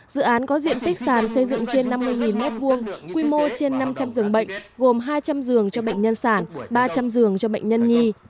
dự án có diện tích sàn xây dựng trên năm mươi m hai quy mô trên năm trăm linh giường bệnh gồm hai trăm linh giường cho bệnh nhân sản ba trăm linh giường cho bệnh nhân nhi